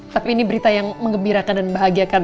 tapi ini berita yang mengembirakan dan membahagiakan